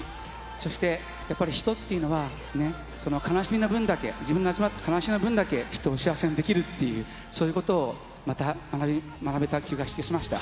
そしてやっぱり人っていうのは、悲しみの分だけ、自分が味わった悲しみの分だけ、人を幸せにできるっていう、そういうことをまた学べた気がしました。